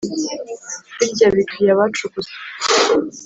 birya bikwiye abacu gusa